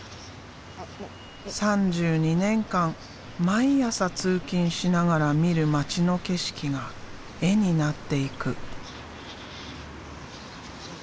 ３２年間毎朝通勤しながら見る街の景色が絵になっていく。